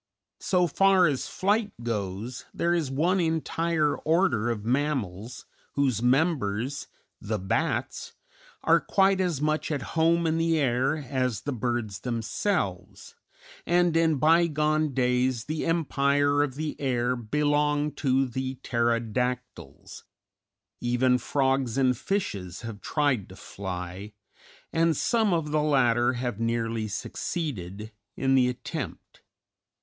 _] So far as flight goes, there is one entire order of mammals, whose members, the bats, are quite as much at home in the air as the birds themselves, and in bygone days the empire of the air belonged to the pterodactyls; even frogs and fishes have tried to fly, and some of the latter have nearly succeeded in the attempt.